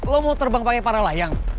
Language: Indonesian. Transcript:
lo mau terbang pakai para layang